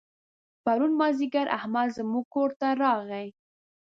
پرون مازدیګر احمد زموږ کور ته راغی.